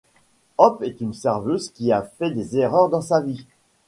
Hope est une serveuse qui a fait des erreurs dans sa vie.